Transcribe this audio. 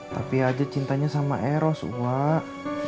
tapi aja cintanya sama eros wak